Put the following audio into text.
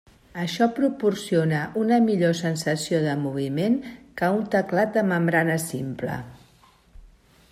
Això proporciona una millor sensació de moviment que un teclat de membrana simple.